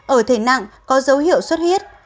ở thể nặng có dấu hiệu suốt huyết